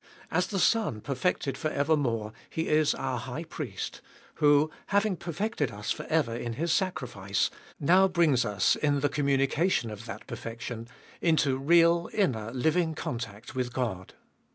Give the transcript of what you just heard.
As the Son perfected for evermore He is our High Priest, who \\a.v\ng perfected us for ever in His sacrifice, now brings us, in the communication of that perfection, into real, inner, living contact with God.